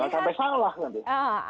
jangan sampai salah nanti